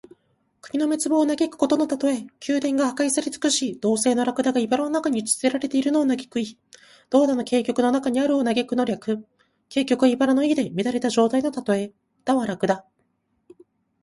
国の滅亡を嘆くことのたとえ。宮殿が破壊され尽くし、銅製のらくだがいばらの中にうち捨てられているのを嘆く意。「銅駝の荊棘中に在るを歎く」の略。「荊棘」はいばらの意で、乱れた状態のたとえ。「駝」はらくだ。